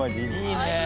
いいね！